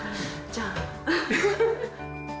じゃあ。